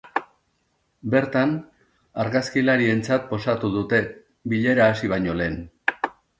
Bertan, argazkilarientzat posatu dute, bilera hasi baino lehen.